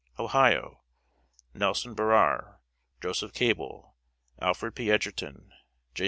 Ohio: Nelson Barrere, Joseph Cable, Alfred P. Edgerton, J.